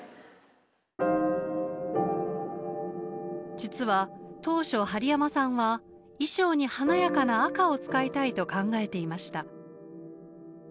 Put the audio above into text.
実は当初針山さんは衣装に華やかな赤を使いたいと考えていました。